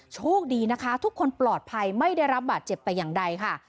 โชคดีนะคะทุกคนปลอดภัยไม่ได้รับบาดเจ็บแต่อย่างใดค่ะ